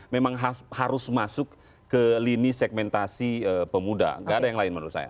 memang harus masuk ke lini segmentasi pemuda gak ada yang lain menurut saya